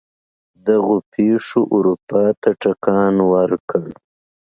دغو پېښو اروپا ته ټکان ورکړ.